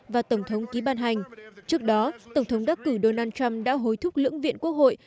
và tổng thống ký ban hành trước đó tổng thống đắc cử donald trump đã hối thúc lưỡng viện quốc hội